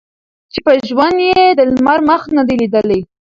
چي په ژوند یې د لمر مخ نه دی لیدلی